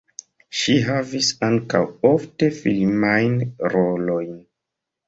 Ŝi havis ankaŭ ofte filmajn rolojn.